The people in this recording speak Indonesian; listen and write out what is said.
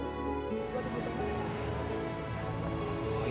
gue tunggu sebentar ya